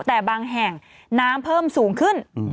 แต่บางแห่งน้ำเพิ่มสูงขึ้น